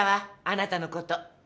あなたのこと。